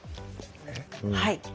はい。